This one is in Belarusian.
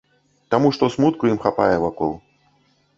Таму што смутку ім хапае вакол.